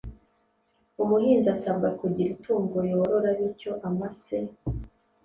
umuhinzi asabwa kugira itungo yorora. Bityo amase,